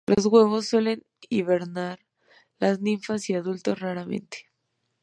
Los huevos suelen hibernar; las ninfas y adultos raramente.